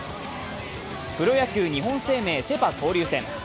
プロ野球日本生命セ・パ交流戦。